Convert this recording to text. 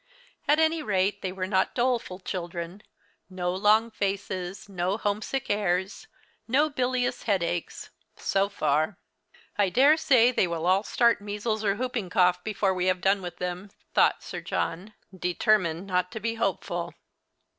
At any rate, they were not doleful children no long faces, no homesick airs, no bilious headaches so far. "I dare say they will all start measles or whooping cough before we have done with them," thought Sir John, determined not to be hopeful.